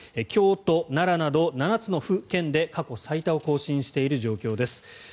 京都、奈良など７つの府県で過去最多を更新している状況です。